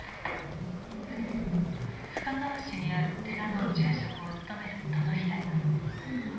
深川市にある寺の住職を務める殿平さん。